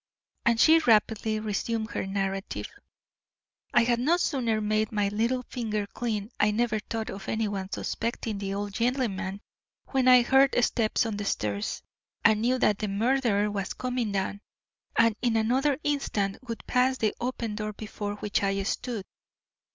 And she rapidly resumed her narrative. "I had no sooner made my little finger clean I never thought of anyone suspecting the old gentleman when I heard steps on the stairs and knew that the murderer was coming down, and in another instant would pass the open door before which I stood.